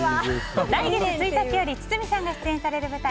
来月１日より堤さんが出演される舞台